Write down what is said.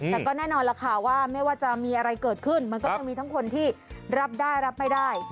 แต่ก็แน่นอนล่ะค่ะว่าไม่ว่าจะมีอะไรเกิดขึ้นมันก็จะมีทั้งคนที่รับได้รับไม่ได้